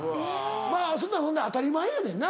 まぁそんなん当たり前やねんな。